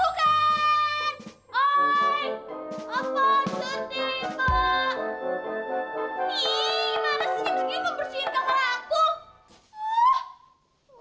ih mana sih meskipun mau bersihin kamar aku